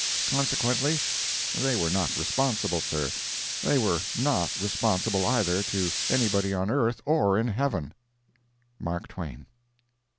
Consequently, they were not responsible, Sir—they were not responsible, either to anybody on earth or in heaven.—MARK TWAIN.